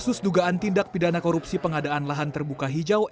kasus dugaan tindak pidana korupsi pengadaan lahan terbuka hijau